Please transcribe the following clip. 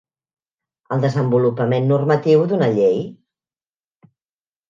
El desenvolupament normatiu d'una llei.